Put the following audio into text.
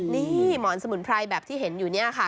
นี่หมอนสมุนไพรแบบที่เห็นอยู่เนี่ยค่ะ